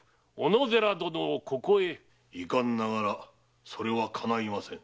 遺憾ながらそれはかないませぬ。